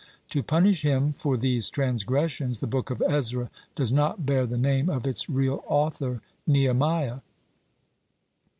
To punish him for these transgressions, the Book of Ezra does not bear the name of its real author Nehemiah.